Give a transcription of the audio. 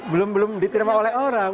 belum belum diterima oleh orang